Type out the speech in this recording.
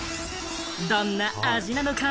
どんな味なのか？